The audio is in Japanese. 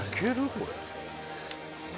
これ。